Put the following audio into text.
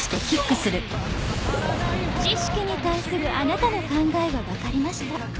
知識に対するあなたの考えは分かりました。